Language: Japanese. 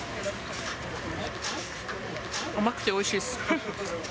甘くておいしいです。